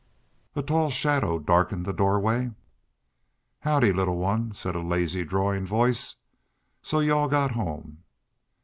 A tall shadow darkened the doorway. "Howdy, little one!" said a lazy, drawling voice. "So y'u all got home?"